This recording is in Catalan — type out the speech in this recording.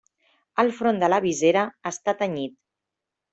El front de la visera està tenyit.